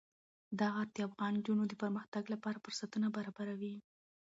دا غر د افغان نجونو د پرمختګ لپاره فرصتونه برابروي.